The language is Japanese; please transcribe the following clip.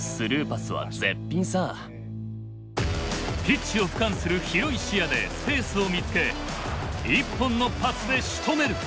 ピッチをふかんする広い視野でスペースを見つけ一本のパスでしとめる！